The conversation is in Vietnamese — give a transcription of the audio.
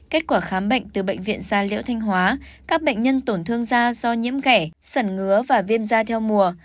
kết quả khám bệnh từ bệnh viện gia liễu thanh hóa các bệnh nhân tổn thương da do nhiễm gẻ sẩn ngứa và viêm da theo mùa